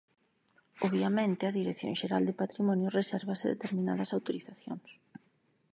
Obviamente, a Dirección Xeral de Patrimonio resérvase determinadas autorizacións.